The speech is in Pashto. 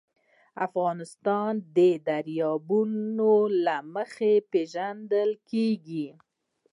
افغانستان د دریابونه له مخې پېژندل کېږي.